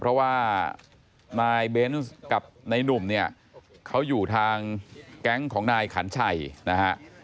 เพราะว่านายเบนส์กับนายหนุ่มเนี่ยเขาอยู่ทางแก๊งของนายขันชัยนะฮะ